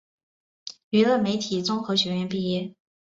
娱乐媒体综合学院毕业。